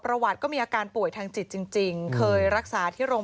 ประวัติก็มีอาการป่วยทางจิตจริงเคยรักษาที่โรง